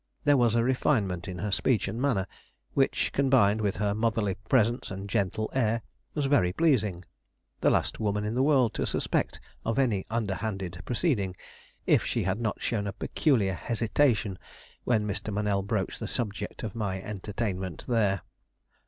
There was a refinement in her speech and manner, which, combined with her motherly presence and gentle air, was very pleasing. The last woman in the world to suspect of any underhanded proceeding, if she had not shown a peculiar hesitation when Mr. Monell broached the subject of my entertainment there.